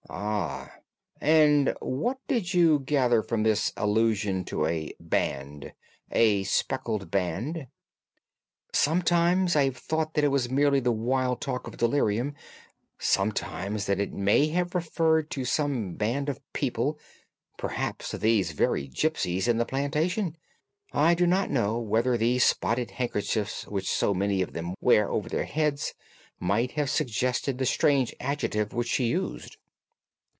"Ah, and what did you gather from this allusion to a band—a speckled band?" "Sometimes I have thought that it was merely the wild talk of delirium, sometimes that it may have referred to some band of people, perhaps to these very gipsies in the plantation. I do not know whether the spotted handkerchiefs which so many of them wear over their heads might have suggested the strange adjective which she used."